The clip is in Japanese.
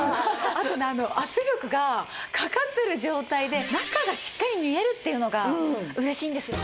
あとね圧力がかかってる状態で中がしっかり見えるっていうのが嬉しいんです。